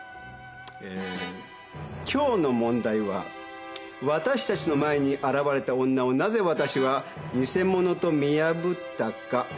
えーきょうの問題はわたしたちの前に現れた女をなぜわたしは偽者と見破ったか。